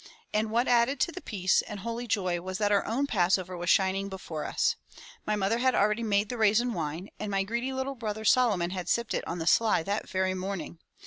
And what added to the peace and holy joy was that our own Passover was shining before us. My mother had 208 FROM THE TOWER WINDOW already made the raisin wine, and my greedy little brother Solo mon had sipped it on the sly that very morning.